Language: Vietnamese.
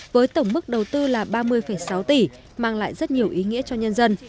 với tổng mức đầu tư là ba mươi sáu tỷ mang lại rất nhiều ý nghĩa cho nhân dân